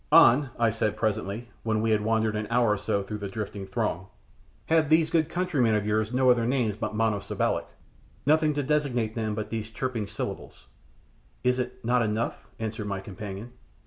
"An," I said presently, when we had wandered an hour or so through the drifting throng, "have these good countrymen of yours no other names but monosyllabic, nothing to designate them but these chirruping syllables?" "Is it not enough?" answered my companion.